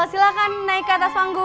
silahkan naik ke atas panggung